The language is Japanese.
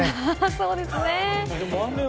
そうですね。